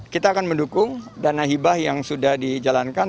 kita akan mendukung dana hibah yang sudah dijalankan